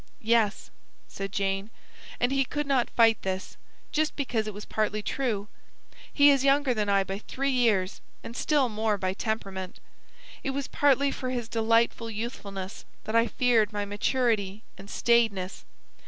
"Yes," said Jane. "And he could not fight this, just because it was partly true. He is younger than I by three years, and still more by temperament. It was partly for his delightful youthfulness that I feared my maturity and staidness.